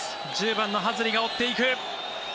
１０番のハズリが追っていく。